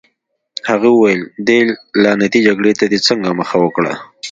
هغه وویل: دې لعنتي جګړې ته دې څنګه مخه وکړه؟